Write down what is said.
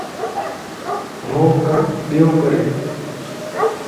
هو ڪم ٻيو ڪري